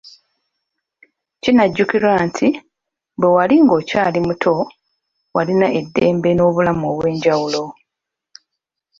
Kinajjukirwa nti ,bwe wali ng'okyali muto walina eddembe n'obulamu obwenjawulo.